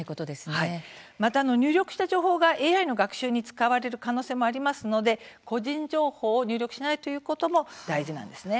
また入力した情報はＡＩの学習に使われる可能性もありますので個人情報を入力しないということも大事なんです。